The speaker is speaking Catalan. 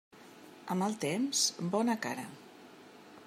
A mal temps, bona cara.